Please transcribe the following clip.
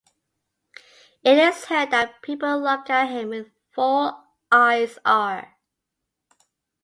سنا ہے لوگ اُسے آنکھ بھر کے دیکھتے ہیں